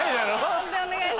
判定お願いします。